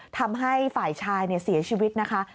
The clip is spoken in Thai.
ทำให้ฝ่ายชายเสียชีวิตนะคะ